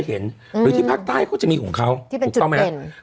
ก็จะเห็นหรือที่ภาคใต้ก็จะมีของเขาถูกต้องไหมที่เป็นจุดเป็น